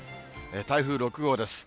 台風６号です。